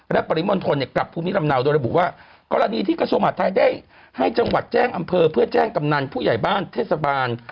และปริมณฑลกลับภูมิลำเนาโดยระบุว่ากรณีที่กระทรวงหัดไทยได้ให้จังหวัดแจ้งอำเภอเพื่อแจ้งกำนันผู้ใหญ่บ้านเทศบาล